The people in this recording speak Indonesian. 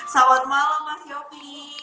selamat malam mas yopi